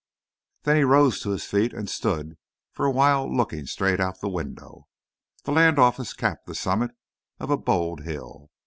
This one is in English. Then he rose to his feet and stood for a while looking straight out of the window. The Land Office capped the summit of a bold hill.